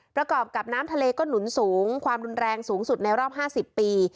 ประกอบกับน้ำทะเลก็หนุนสูงความรุนแรงสูงสุดในรอบ๕๐ปี